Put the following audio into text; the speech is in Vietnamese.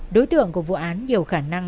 đối tượng của vụ án nhiều khả năng